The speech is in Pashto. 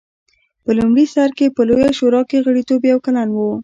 په لومړي سر کې په لویه شورا کې غړیتوب یو کلن و